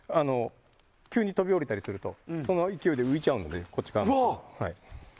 急に飛び降りたりするとその勢いで浮いちゃうので。